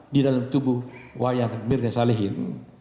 di dalam tubuh wayemirna salihin